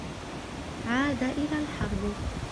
عاد إلى الحرب.